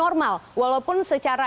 ternyata dianeynya karenaid